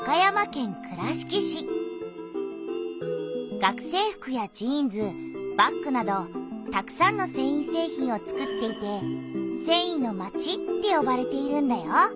学生服やジーンズバッグなどたくさんのせんい製品をつくっていて「せんいのまち」ってよばれているんだよ。